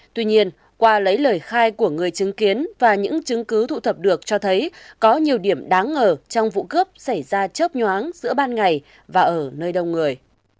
tuy nhiên qua lấy lời khai của người chứng kiến và những chứng cứ thu thập được cho thấy có nhiều điểm đáng ngờ trong vụ cướp xảy ra chớp nhoáng giữa ban ngày và ở nơi đông người